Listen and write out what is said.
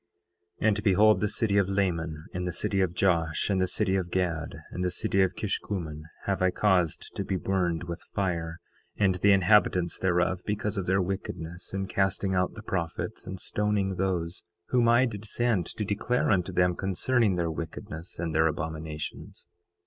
9:10 And behold, the city of Laman, and the city of Josh, and the city of Gad, and the city of Kishkumen, have I caused to be burned with fire, and the inhabitants thereof, because of their wickedness in casting out the prophets, and stoning those whom I did send to declare unto them concerning their wickedness and their abominations.